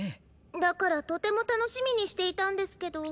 だからとてもたのしみにしていたんですけど。